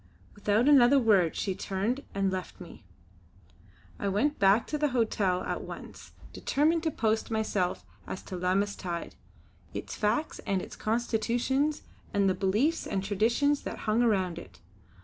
Without another word she turned and left me. I went back to the hotel at once, determined to post myself as to Lammas tide; its facts and constitutions, and the beliefs and traditions that hung around it.